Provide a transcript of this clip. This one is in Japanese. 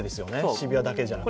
渋谷だけじゃなくて。